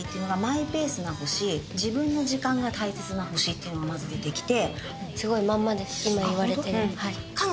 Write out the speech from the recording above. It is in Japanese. ていうのがまず出てきて。